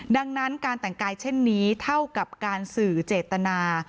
ดังนั้นการแต่งกายเช่นนี้เท่ากับการสื่อเจตนา